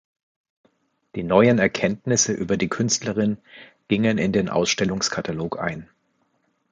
Die neuen Erkenntnisse über die Künstlerin gingen in den Ausstellungskatalog ein.